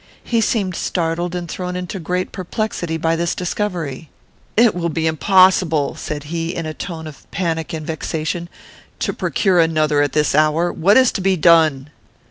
He seemed startled and thrown into great perplexity by this discovery. "It will be impossible," said he, in a tone of panic and vexation, "to procure another at this hour: what is to be done?"